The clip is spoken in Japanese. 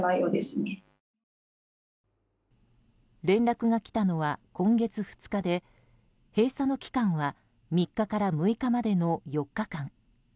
連絡が来たのは今月２日で閉鎖の期間は３日から６日までの４日間。